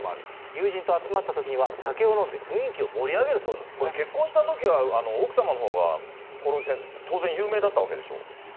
友人と集まったときには、酒を飲んで雰囲気を盛り上げるそうなんこれ、結婚したときには奥様のほうが興梠先生、当然、有名だったわけでしょ。